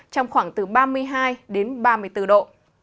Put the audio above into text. trong khoảng từ ba mươi hai đến ba mươi bốn độ